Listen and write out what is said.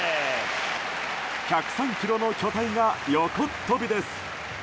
１０３ｋｇの巨体が横っ飛びです。